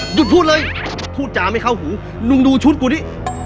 หยุดพูดเลยพูดจาไม่เข้าหูลุงดูชุดกูดิ